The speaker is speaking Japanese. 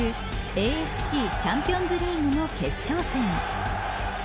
ＡＦＣチャンピオンズリーグの決勝戦。